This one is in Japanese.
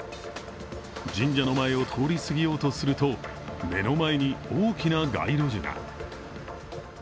神社の前を通り過ぎようとすると目の前に大きな街路樹が。